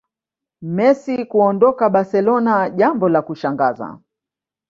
Messi kuondoka barcelona jambo la kushangaza